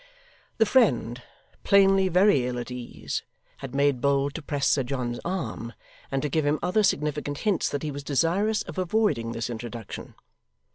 The friend, plainly very ill at ease, had made bold to press Sir John's arm, and to give him other significant hints that he was desirous of avoiding this introduction.